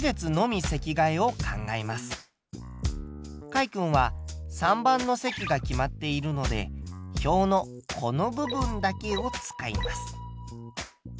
かいくんは３番の席が決まっているので表のこの部分だけを使います。